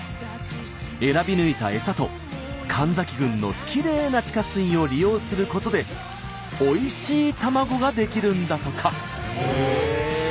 選び抜いた餌と神崎郡のきれいな地下水を利用することでおいしい卵が出来るんだとか。